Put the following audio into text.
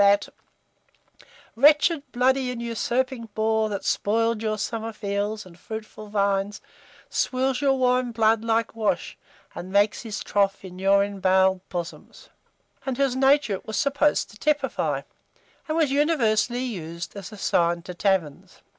that "Wretched, bloody, and usurping boar, That spoil'd your summer fields and fruitful vines, Swills your warm blood like wash, and makes his trough In your embowell'd bosoms," and whose nature it was supposed to typify; and was universally used as a sign to taverns.